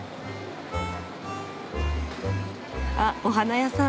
あっお花屋さん。